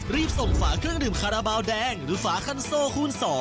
รีบส่งฝาเครื่องดื่มคาราบาลแดงหรือฝาคันโซคูณ๒